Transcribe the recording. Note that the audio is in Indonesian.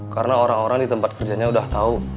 karena orang orang di tempat kerjanya udah tahu